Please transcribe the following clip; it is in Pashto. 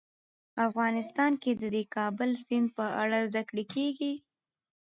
افغانستان کې د د کابل سیند په اړه زده کړه کېږي.